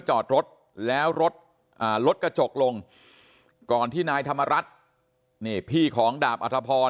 จอดรถแล้วรถกระจกลงก่อนที่นายธรรมรัฐนี่พี่ของดาบอัธพร